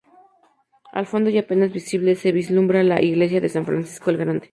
Al fondo y apenas visible se vislumbra la iglesia de San Francisco el Grande.